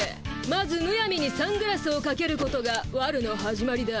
まずむやみにサングラスをかけることがわるの始まりだ。